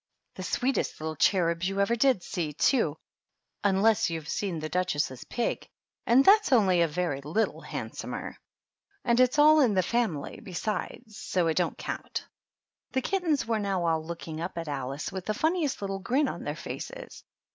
The sweetest little cherubs you ever did see, too, unless you've seen the Duchess's pig, and that's only a very little handsomer. And it's all in the family, be sides, so it don't count." The kittens were now all looking up at Alice with the funniest little grin on their faces.